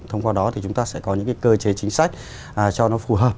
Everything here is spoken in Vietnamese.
thông qua đó thì chúng ta sẽ có những cơ chế chính sách cho nó phù hợp